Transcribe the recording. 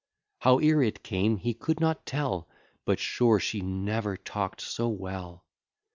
Howe'er it came, he could not tell, But sure she never talk'd so well.